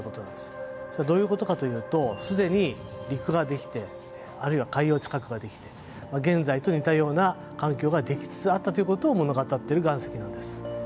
それどういうことかというとすでに陸ができてあるいは海洋地殻ができて現在と似たような環境ができつつあったということを物語っている岩石なんです。